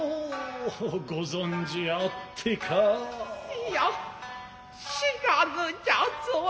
いや知らぬじゃぞえ。